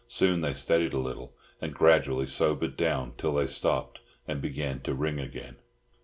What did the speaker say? Soon they steadied a little, and gradually sobered down till they stopped and began to "ring" again.